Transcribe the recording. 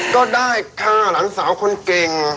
ก็ได้ฆ่าหลานสาวคนเก่ง